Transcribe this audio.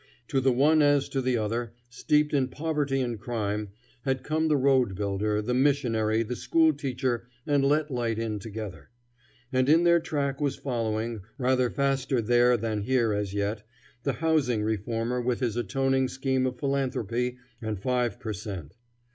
To the one as to the other, steeped in poverty and crime, had come the road builder, the missionary, the school teacher, and let light in together. And in their track was following, rather faster there than here as yet, the housing reformer with his atoning scheme of philanthropy and five per cent.